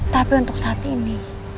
tapi untuk saat ini